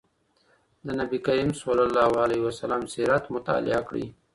د نبي کریم سیرت مطالعه کړئ.